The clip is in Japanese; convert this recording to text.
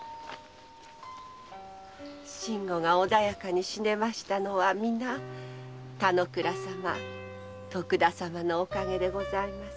信吾が穏やかに死ねましたのはみな田之倉様徳田様のおかげでございます。